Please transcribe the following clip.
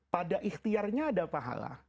pada ikhtiarnya ada pahala